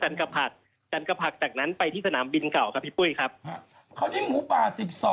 จันกรรพักจันกรรพักจากนั้นไปที่สนามบินเก่ากับพี่ปุ้ยเพราะที่หมูป่า๑๒๑๓